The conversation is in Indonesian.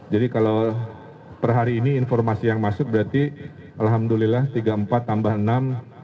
jadi kalau per hari ini informasi yang masuk berarti alhamdulillah tiga puluh empat tambah enam